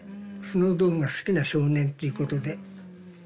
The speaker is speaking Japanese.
スノードームが好きな少年っていうことで。